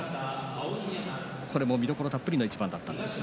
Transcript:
これも見どころたっぷりの一番だったんですが。